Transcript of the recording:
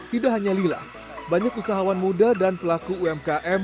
tidak hanya lila banyak usahawan muda dan pelaku umkm